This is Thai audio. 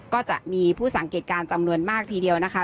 ก็จะมีผู้สังเกตการณ์จำนวนมากทีเดียวนะคะ